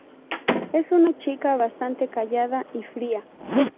Es una chica bastante callada y fría.